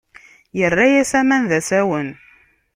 Yerra-as aman d asawen.